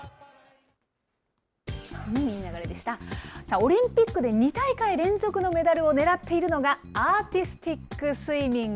オリンピックで２大会連続のメダルを狙っているのが、アーティスティックスイミング。